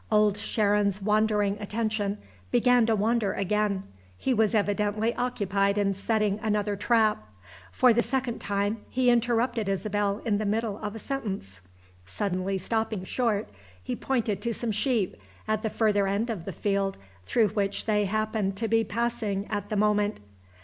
Old Sharon's wandering attention began to wander again: he was evidently occupied in setting another trap. For the second time he interrupted Isabel in the middle of a sentence. Suddenly stopping short, he pointed to some sheep, at the further end of the field through which they happened to be passing at the moment.